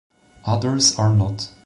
Others are not.